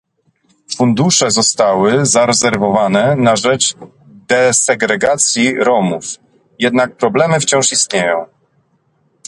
Fundusze zostały zarezerwowane na rzecz desegregacji Romów, jednak problemy wciąż istnieją